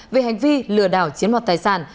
về hành vi lừa đảo chiến mặt tài sản